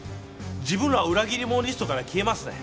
自分らは裏切り者リストから消えますね。